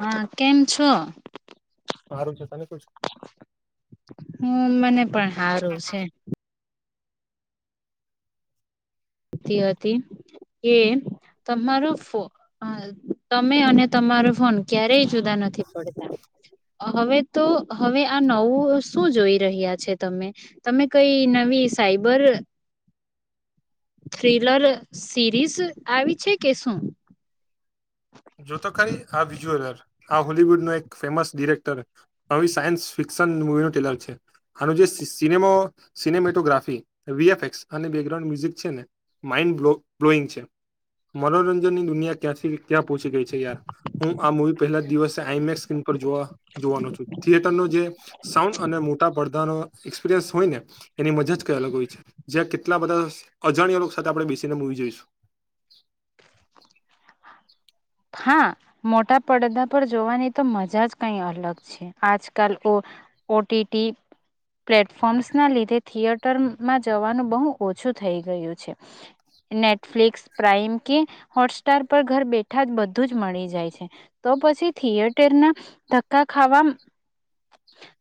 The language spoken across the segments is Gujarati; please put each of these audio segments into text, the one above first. હા કેમ છો. સારું છે તમેં કેમ છો. હમ્મ મને પણ હારું છે. સુતી હતી કે તમારો ફો તમે અને તમારો ફોન ક્યારેય જુદા નથી પડતા. હવે તો હવે આ નવું શું જોઈ રહ્યા છે તમે તમે કઈ નવી નવી સાઈબર [inaudible] થ્રીલર સિરીઝ આવી છે કે શું. જોતો ખાલી આ વિઝ્યુઅલ હા હોલીવુડ નો એક ફેમસ ડિરેક્ટર આવી સાયન્સ ફિક તન મોઇલુ તિલક છે. આનું જે સીનો સિનેમેટોગ્રાફી વીએફસ અને બેકગ્રાઉન્ડ મ્યુઝિક છે ને માઇન્ડ બ્લો બ્લોઈંગ છે મનોરંજનની દુનિયા ક્યાંથી ક્યાં પહોંચી ગઈ છે યાર હું આ મુવી પહેલા જ દિવસે આઈ મેકસ સ્ક્રીન પર જોવા જોવાનો છું થિયેટરનો જે સાઉન્ડ અને મોટા પડદા હોયને એની એક્સપ્રિયન્સ મજા કઈ અલગ હોય છે જ્યાં કેટલા બધા અજાણ્યા લોક સાથે આપણે બેસીને મૂવી જોઈશું. હા મોટા પડદા પર જોવાની તો મજા જ કઈ અલગ છે આજકાલ O O T T platforms ના લીધે થિયેટરમાં જવાનું બહુ ઓછું થઈ ગયું છે નેટફ્લિક્સ પ્રાાઈમ કે હોટસ્ટાર પર ઘર બેઠા જ બ ધુ જ મળી જાય છે તો પછી થિયેટર ના ધક્કા ખાવા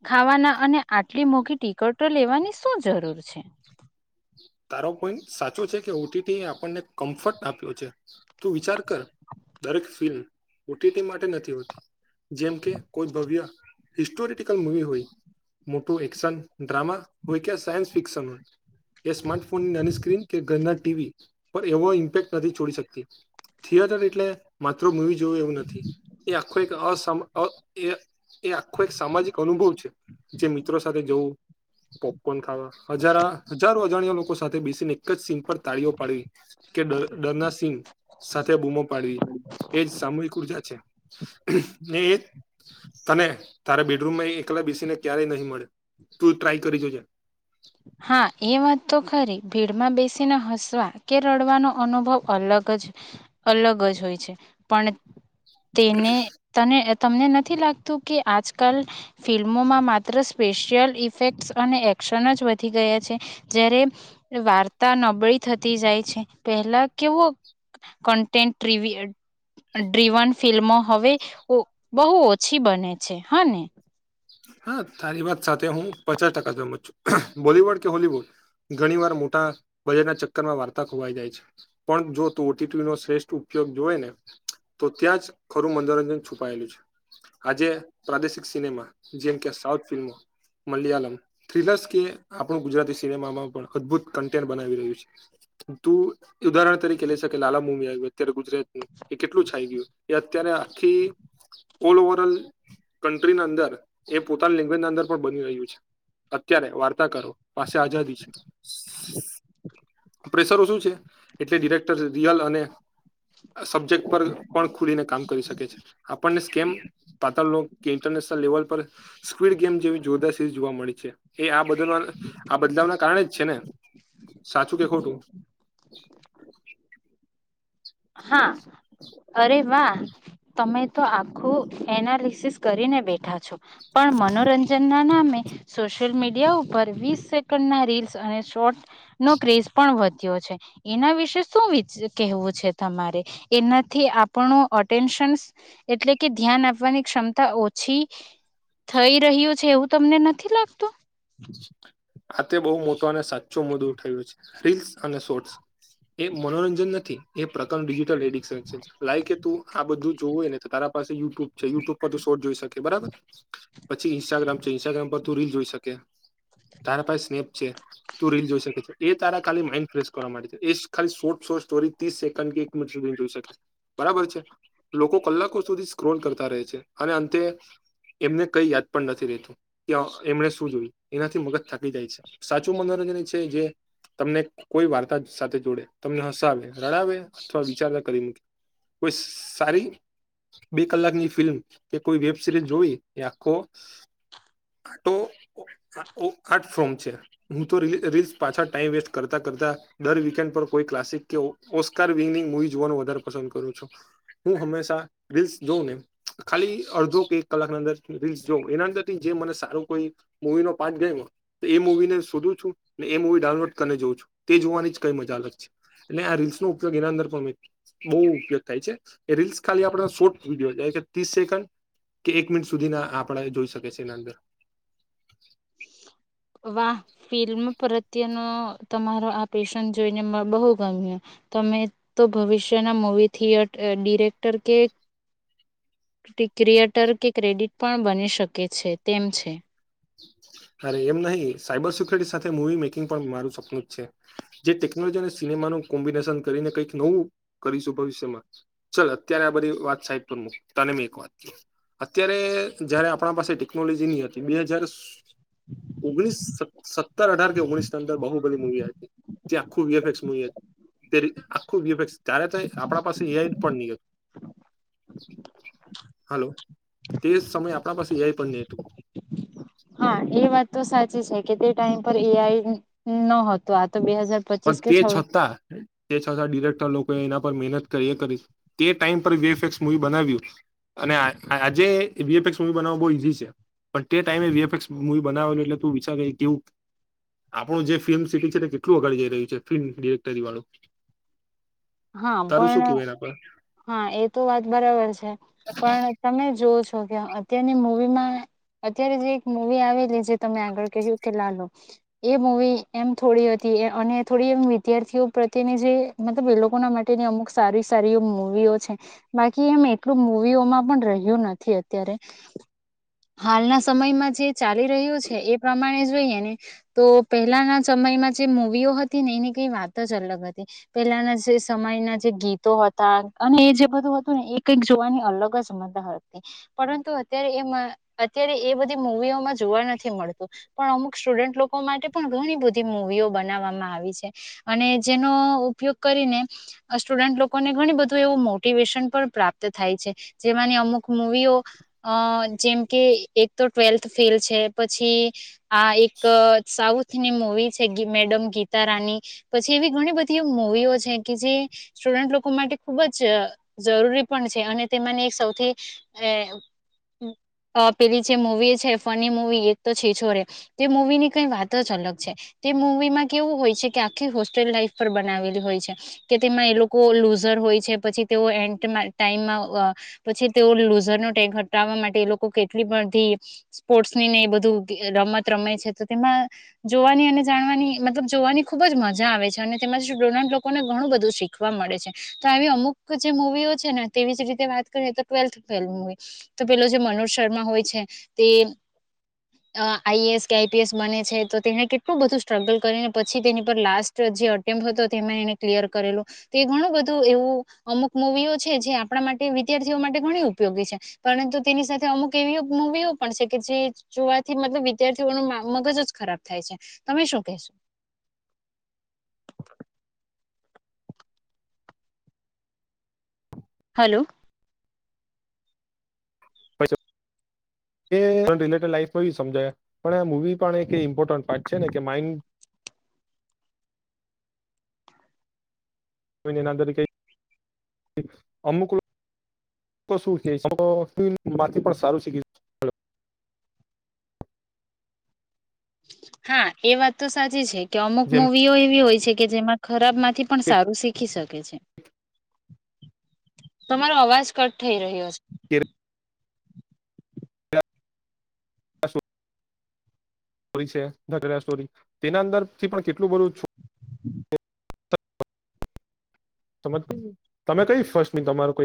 ખાવાના અને આટલી મોઘી ટિકટો લેવાની શું જરૂર છે તારો પોઈન્ટ સાચો છે કે ઓ ટી ટી આપણને કમ્ફર્ટ આપ્યો છે તું વિચાર કર દરેક ફિલ્મ ઓ ટી ટી માટે નથી હોતી જેમ કે કોઈ ભવ્ય હિસ્ટોરિકલ મુવી હોય મોટું એક્શન ડ્રામા હોય કે સાયન્સ ફિક્શન હોય એ સ્માર્ટ ફોનની નાની સ્ક્રીન કે ઘરના ટી વી પર એવો ઇમ્પેક્ટ નથી છોડી શકતી થિયેટર એટલે માત્ર મૂવી જોવું એવું નથી એ આખું એક અસમ અ એ એ આખો એક સામાજિક અનુભવ છે, જે મિત્રો સાથે જવું પોપકોન ખાવા હજારા અજાણ્યા લોકો સાથે બેસીને એક જ સીન પર તાળીઓ પાડવી, કે ડર ડરના સિન સાથે બુ બુમ પાડવી, એજ સામૂહિક ઉર્જા છે ને એ તને તારે બેડરૂમમાં એકલા બેસી ને ક્યારેય નહી મળે, તું ટ્રાય કરી જોજે હા એ વાત તો ખરી ભીડમાં બેસીને હસવા કે રડવાનો અનુભવ અલગ જ અલગ જ હોય છે, પણ તેને તને તમને નથી લાગતું કે આજકાલ ફિલ્મોમાં માત્ર સ્પેશિયલ ઇફેક્ટ્સ અને એક શ્ષણ જ વધી ગયા છે, જયારે વાર્તા નબળી થતી જાય છે. પહેલા કેવો કન્ટેન્ટ [inaudible] ડ્રીવન ફિલ્મો હવે બહુ ઓછી બને છે, હા ને! હા તારી વાત સાથે હું પચાસ ટકા ગમત છું, બોલીવુડ કે હોલીવુડ ઘણી વાર મોટા ભયના ચક્કરમાં વાર્તા ખોવાઈ જાય છે, પણ જો નો શ્રેષ્ઠ ઉપયોગ હોય ને તો ત્યાં જ ખરું મનોરંજન છુપાયેલું છે. આજે પ્રાદેશિક સિનેમા જેમ કે સાઉથ ફિલ્મો, મલયાલમ, થ્રીલર્સ કે આપણું ગુજરાતી સિનેમામાં પણ અદભુત કન્ટેન્ટ બનાવી રહ્યું છે. તું ઉદાહરણ તરીકે લે શકે લાલા મુવી આવુ, અત્યારે ગુજરાતનુ એ કેટલું છાઈ ગયું, એ અત્યારે કે ઓલ ઓવર કન્ટ્રી ની અંદર, એ પોતાની લેંગ્વેજ અંદર પણ બની રહ્યું છે. અત્યારે વાર્તા કરો પાસે આઝાદી છે. પ્રેશરો શું છે એટલે ડિરેક્ટર રિયલ અને સબ્જેક્ટ પર પણ ખુલીને કામ કરી શકે છે આપણને સ્કેમ પાતાળ ઇન્ટરને લેવલ પર સ્કવીડ ગેમ જેવી જોરદાર સિરીઝ જોવા મળી છે, એ આ બદ આ બદલાવના કારણે જ છે ને. સાચું કે ખોટું? હા અરે વાહ તમે તો આખું એનાલિસિસ કરીને બેઠા છો. પણ મનોરંજનના નામે સોશિયલ મીડિયા ઉપર વીસ સેકન્ડના રીલ્સ અને શોર્ટસનો ક્રેઝ પણ વધ વધ્યો છે, એના વિશે શું કેવું છે. તમારે એનાથી આપણું અટેન્શન એટલે કે ધ્યાન આપવાની ક્ષમતા ઓછી પછી થઈ રહ્યો છે એવું તમને નથી લાગતું, આ તે બહુ મોટો અને સાચો મુદ્દો થયો છે રીલ્સ અને શોર્ટ્સ એ મનોરંજન નથી એ પ્રકર ડિજિટલ એડિકશન લાય તું આ બધું જોવુંય ને તો તારા પાસે યુ છેલ્લું પર તો શો જોઈ શકે બરાબર પછી ઇન્સ્ટાગ્રામ છે, ઇન્સ્ટાગ્રામ પર તું રીલ જોઈ શકે તારા પાસે સ્નેપ છે તું રીલ જોઈ શકે છે એ તારા ખાલી માઇન્ડ ફ્રેશ કરવા માટે છે, એ ખાલી શોર્ટ શોટૅ સ્ટોરી ત્રીસ સેકન્ડ કે એક મિનિટ સુધી જોઈ શકે બરાબર છે લોકો કલાકો સુધી સ્ક્રોલ કરતા રહે અને અંતે એમને કઈ યાદ પણ નથી રેતું કે એમને શું જોયું એનાથી મગજ થકી જાય છે, સાચું મનોરંજન છે જે તમને કોઈ વાર્તા સાથે જોડે, તમને હસાવે રડાવે અથવા વિચારતા કરી મૂકે. કોઈ સારી બે કલાકની ફિલ્મ કે કોઈ વેબ સિરીઝ જોઈ એ આખો હા તો આર્ટ ફોર્મ છે, હું તો રીલ્સ પાછા ટાઈમ વેસ્ટ કરતા કરતા દર વિકન્ડ પર કોઈ ક્લાસિક કે ઓસ્કાર જોવાનું વધારે પસંદ કરું છું હું હંમેશા રીલ્સ જોઉં ને ખાલી અડધો કે એક કલાક ના અંદર રીલ્સ જો એના અંદર થી જે મને સારો કોઈ મુવી નો પાર્ટ ગમો એ મુૂવીને શોધું છું ને એ મુવી ડાઉનલોડ કરીને જોઉ છું, તે જોવાની જ કઈ મજા અલગ છે. અને આ રીલ્સનોો ઉપયોગ એના અંદર પણ બહુ ઉપયોગ થાય છે એ રીલ્સ ખાલી આપ શોર્ટ વિડીયો જાય ત્રીસ સેકન્ડ કે એક મિનિટ સુધી ના આપણે જોઈ શકે છે એના અંદર વાહ ફિલ્મ પ્રત્યનો તમારો આ પેશન જોઈને બહુ ગમ્યું તમે તો ભવિષ્યના મૂવી થિયટ ડિરેક્ટર કે હ ક્રિએટર કે ક્રેડિટ પણ બની શકે છે તેમ છે અરે એમ નહીિ સાયબર સિક્યુરિટી સાથે મુવી મેકિંગ પણ મારું સપનું જ છે જે ટેકનોલોજી અનેિ કોમ્બિનેશન કરીને કઈક નવું કરીશું ભવિષ્યમાં ચાલ અત્યારે આ બધી વાત સાઈટ પરક તને મેં એક વાત ક અત્યારે જયારે આપણા પાસે ટેકનોલોજીની હતી બે હજાર [inaudible] ઓગણીસ સત્તર અઢાર કે ઓગણીસ અંદર બહુ બધી મુવી હતી તે આખું વએફસ મુવી હતી તે આખું વ્યુપે ત્યારે આપણા પાસે અ પણ નનીક હલો તે સમય આપણા પાસે એય પણ નહ હતું હા એ વાત તો સાચી છે કે તે ટાઈમ પર એઆઈ નત પણ તે છતાં તે છતાં ડિરેક્ટર લોકો એના કરી ટ બનાવ્યું અને આજે મવી બવ બહુ ઈઝી છે પણ તે ટાઈમેીએફએક્સ મુવી બનાવેલ એટલે તું વિચ કેવું આપણું જે ફિલ્મ સિટી છે તે કેટલું વગાડી જઈ છે ફિલ્મિરેક્ટરી વાળું હા તારું શું પણ કેવાય હા એ તો વાત બરાબર છે પણ તમે જોવ છો કે અત્યારની મવીમાં અત્યારે જે એક મવી આવેલી જે તમે આગળ કહ્યું કે લાલુ એ મવી એમ થોડી હતી અને થોડી એમ વિદ્યાર્થીઓ પ્રત્યેની જે મતલબ એ લોકો ના માટેની અમુક સારી સારી છે બાકી એમ એટલું મુવીઓમાં પણ રહ્યું નથી અત્યારે હાલના સમયમાં જે ચાલી રહ્યો છે એ પ્રમાણે જોઈએ ને તો પહેલાના સમય સમયમાં જે મુૂવીઓ હતી ને એને કઈ વાત જ અલગ હતી પેલાના જે સમયના જે ગીતો હતા અને એ જે બધું હતું ને એ કઈક જોવાની અલગ જ મદાર હતી પરંતુ અત્યારે એમાં અત્યારે એ બધી મુવીઓમાં જોવા નથી મળતું પણ અમુક સ્ટુડન્ટ લોકો માટે પણ ઘણી બધી મુવીઓ બવામાં આવી છે અને જેનો ઉપયોગ કરીને સ્ટુડન્ટ લોકોને ઘણી બધી એવું મોટિવેશન પણ પ્રાપ્ત થાય છે જેમાંની અમુક મુૂવીઓ અ જેમ કે એક તો ટવેલ્થ ફેલ છે પછી આ એક સાઉથની મુવી છે મેડમ ગીતા રાની પછી એવી ઘણી બધી મુવીઓ છે કે જે સ્ટુડન્ટ લોકો માટે ખૂબ જ જરૂરી પણ છે અને તેમાંની એક સૌથી અ અ પેલી જે મૂવી છે ફની મુૂવી એક તો છે છોરે તો મૂવી ની કઈ વાત જ અલગ છે તે મુવી માં કેવું હોય છે કે આખી હોસ્ટેલ લાઈફ પર બનાવેલી હોય છે કે તેમાં એ લોકો લઝ હોય છે પછી તેઓ એ ટમમાં પછી તેઓ લુઝર ન ટેન્ક હટાવવા માટે લોકો કેટલી બધી સ્પોર્ટ્સ ની ને એ બધું રમત રમે છે તો તેમાં જોવાની અને જાણવાની મતલબ જોવાની ખુબ જ મજા આવે છે અને તેમાં શ ડોનાલ્ડ લોકોને ઘણું બધું શીખવા મળે છે તો આવી અમુક જે મુવીઓ છે ને તેવી જ રીતે વાત કરીએ તો ટ્વેલ્થ મુવી તો પેલો જે મળ મનોજ શર્મા હોય છે તે આઈએએસ કે આઈપીએસ બને છે તો તેને કેટલું બધું સ્ટ્રગલ કરીને પછી તેની પર લાસ્ટ જે અટેમ્પ હતો તે એમાં એને કલિયર કરેલો એ ઘણું બધું એવ અમુક મુૂવીઓ છે જે આપણા માટે વિદ્યાર્થીઓ માટે ઘણી ઉપયોગી છે પરંતુ તેની સાથે અમુક એવી મુવીઓ પણ છે કે જે જોવાથી મતલબ વિદ્યાર્થીઓ ન મગજ જ ખરાબ થાય છે તમે શું કશો [inaudible] હલો એ રિલેટે લાઈફમાં સમજાય પણ આ મવી પણ એક ઇમ્પોર્ટન્ટ પાર્ટ છે ને કે માઇન્ હ નેનાંદરી ક અમુકલ શું છેથી પણ સારું શીખ હા એ વાત તો સાચી છે કે અમુક જેમ મુવીઓ એવી હોય છે કે જેમાં ખરાબ થી પણ સારું શીખી શકે છે તમારો અવાજ કટ થઈ રહ્યો છે કસો [unintelligible] સ્ટોરી છે સ્ટોરી તેના અંદર થી પણ કેટલું બધું હ સમજ તમે કઈ ફર્સ્ટ તમારું કઈ